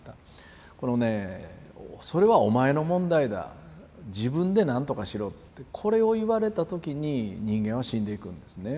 このね「それはお前の問題だ自分で何とかしろ」ってこれを言われた時に人間は死んでいくんですね。